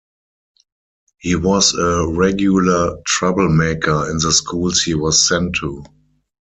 He was a regular troublemaker in the schools he was sent to.